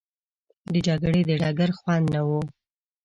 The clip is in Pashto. د جګړې د ډګر خوند نه وو.